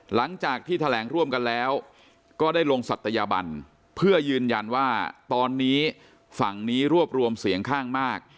หลังจากที่แถลงร่วมกันแล้วก็ได้ลงศัตยบันเพื่อยืนยันว่าตอนนี้ฝั่งนี้รวบรวมเสียงข้างมาก